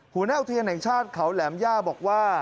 หัวหน้าอุทยานแห่งชาติเขาแหลมย่าบอกว่า